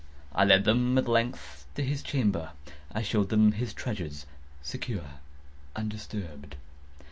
I led them, at length, to his chamber. I showed them his treasures, secure, undisturbed.